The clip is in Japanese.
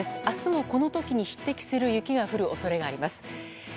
あすもこのときに匹敵する雪が降るおそれがあります。